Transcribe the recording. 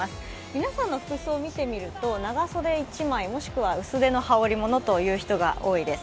皆さんの服装を見てみると長袖１枚、もしくは薄手の羽織り物という人が多いです。